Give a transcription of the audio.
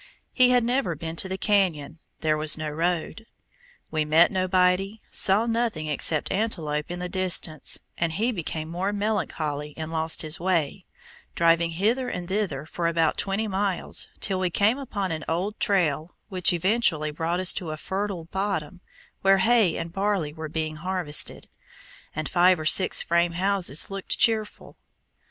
He had never been to the canyon; there was no road. We met nobody, saw nothing except antelope in the distance, and he became more melancholy and lost his way, driving hither and thither for about twenty miles till we came upon an old trail which eventually brought us to a fertile "bottom," where hay and barley were being harvested, and five or six frame houses looked cheerful.